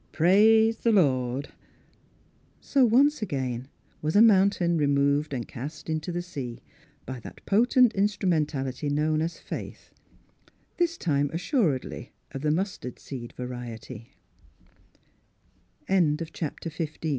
Praise the Lord !" So once again was a mountain removed and cast into the sea, by that potent in strumentality known as faith, this time, assuredly, of the mustard seed